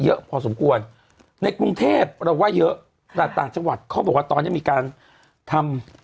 เยอะพอสมควรในกรุงเทพเราว่าเยอะแต่ต่างจังหวัดเขาบอกว่าตอนนี้มีการทำ